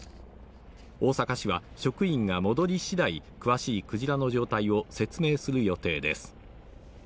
大阪市は職員が戻り次第、詳しいクジラの状態を説明する予定です。